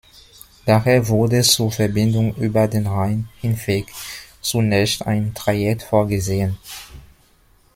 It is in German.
Daher wurde zur Verbindung über den Rhein hinweg zunächst ein Trajekt vorgesehen.